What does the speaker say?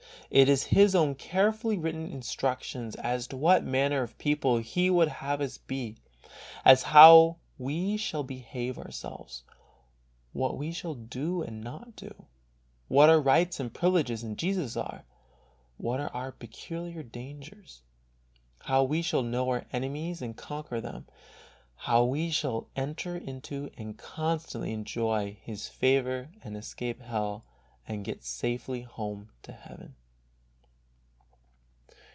It is His own carefully written instructions as to what manner of people He would have us be; as to how we shall behave ourselves ; what we shall do and not do ; what our rights and privileges in Jesus are; what are our peculiar dangers ; how we shall know our enemies and conquer them ; how we shall enter into and constantly enjoy his favour and escape hell and get safely home to heaven.